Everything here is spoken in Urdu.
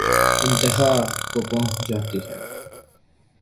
انتہا کو پہنچ جاتی ہے